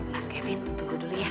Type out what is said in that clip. mas kevin tunggu dulu ya